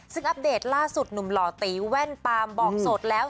ซึ่งอัปเดตล่าสุดหนุ่มหล่อตีแว่นปามบอกโสดแล้ว